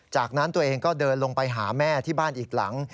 จากนั้นตัวเองก็เดินลงไปหาแม่ที่บ้านอีกหลัง